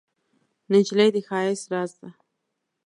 نجلۍ د ښایست راز ده.